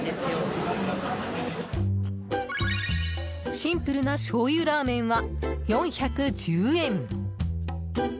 シンプルな醤油ラーメンは４１０円。